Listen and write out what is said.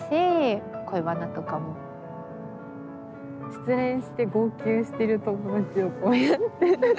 失恋して号泣している友達をこうやって。